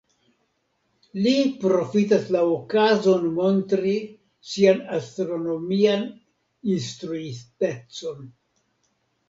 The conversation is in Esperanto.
Li profitas la okazon montri sian astronomian instruitecon.